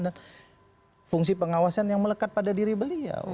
dan fungsi pengawasan yang melekat pada diri beliau